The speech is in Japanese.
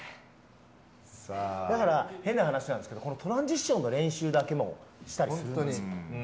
変な話なんですけどトランジションの練習だけもするんです。